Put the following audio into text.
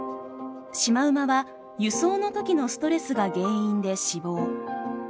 シマウマは輸送の時のストレスが原因で死亡。